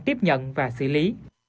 tiếp nhận và xử lý